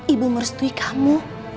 ibu merestui kamu